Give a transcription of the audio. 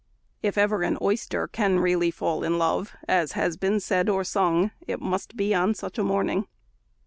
If ever an oyster can really fall in love, as has been said or sung, it must be on such a morning.